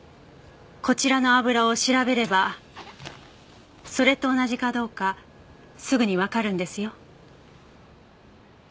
こちらの油を調べればそれと同じかどうかすぐにわかるんですよ。